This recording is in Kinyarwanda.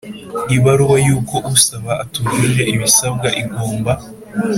Ibaruwa y uko usaba atujuje ibisabwa igomba